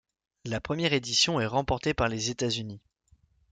La première édition est remportée par les États-Unis.